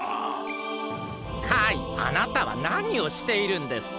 カイあなたはなにをしているんですか？